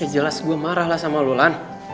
ya jelas gue marah lah sama lu lan